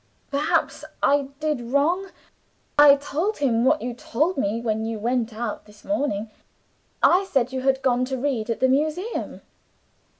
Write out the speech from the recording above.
Perhaps I did wrong; I told him what you told me when you went out this morning I said you had gone to read at the Museum."